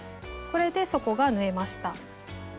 これで底が縫えました。